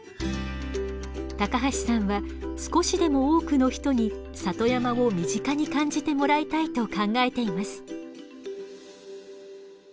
橋さんは少しでも多くの人に里山を身近に感じてもらいたいと考えています。